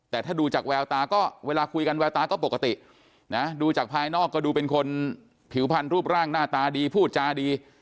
แต่ถ้าดูจากแววตาก็เวลาคุยกันแววตาก็ปกตินะดูจากภายนอกก็ดูเป็นคนผิวพันธ์รูปร่างหน้าตาดีพูดจาดี